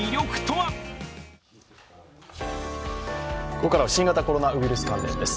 ここからは新型コロナウイルス関連です。